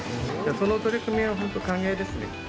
その取り組みは本当歓迎ですね。